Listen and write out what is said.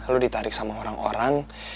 lalu ditarik sama orang orang